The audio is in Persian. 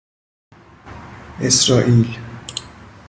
اسرائیل